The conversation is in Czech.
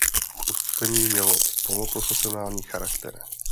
Uskupení mělo poloprofesionální charakter.